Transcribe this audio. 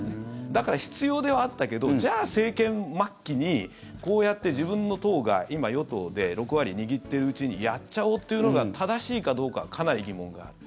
だから必要ではあったけどじゃあ政権末期にこうやって自分の党が今、与党で６割握ってるうちにやっちゃおうっていうのが正しいかどうかはかなり疑問がある。